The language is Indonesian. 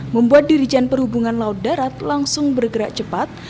membuat dirijen perhubungan laut darat langsung bergerak cepat